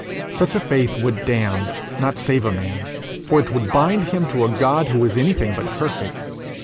Such a faith would damn, not save a man; for it would bind him to a God who was anything but perfect.